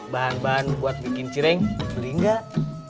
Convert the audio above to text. bahan bahan buat bikin cireng beli nggak